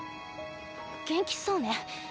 元気そうね。